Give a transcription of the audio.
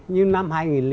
như năm hai nghìn tám